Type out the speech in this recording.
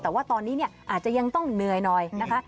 แต่ว่าตอนนี้เนี่ยอาจจะยังต้องเหนื่อยหน่อยนะคะ